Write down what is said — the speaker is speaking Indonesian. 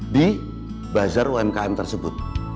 di bazar umkm tersebut